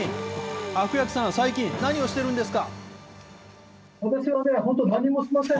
悪役さん、最近、何をしてるんですか。